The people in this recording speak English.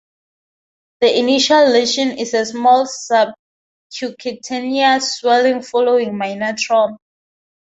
The initial lesion is a small subcutaneous swelling following minor trauma.